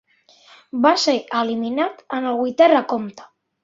Va ser eliminat en el vuitè recompte.